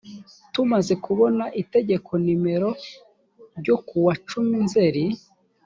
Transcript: tumaze kubona itegeko nimero ryo kuwa cumi nzeri